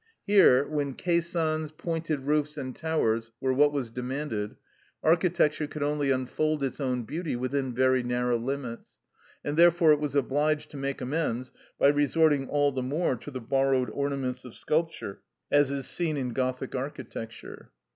Here, when caissons, pointed roofs and towers were what was demanded, architecture could only unfold its own beauty within very narrow limits, and therefore it was obliged to make amends by resorting all the more to the borrowed ornaments of sculpture, as is seen in Gothic architecture.